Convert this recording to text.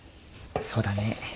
そうだね。